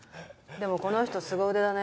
でもこの人すご腕だね。